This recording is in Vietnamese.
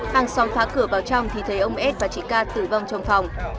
hàng xóm phá cửa vào trong thì thấy ông s và chị ca tử vong trong phòng